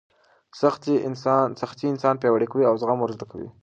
سختۍ انسان پیاوړی کوي او زغم ور زده کوي.